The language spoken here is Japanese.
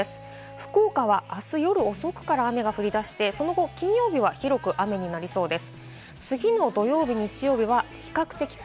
福岡はあす夜遅くから雨が降り出して、その後、金曜日は広く雨になりそうです。